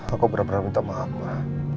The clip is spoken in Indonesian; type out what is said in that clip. aku benar benar minta maaf ma